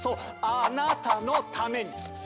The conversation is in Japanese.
あ・な・たのために！